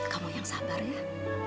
kamu yang sabar ya